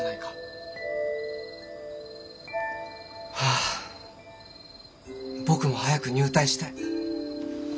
あ僕も早く入隊したい。